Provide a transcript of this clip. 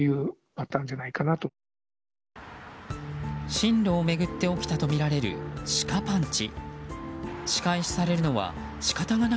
進路を巡って起きたとみられるシカパンチ。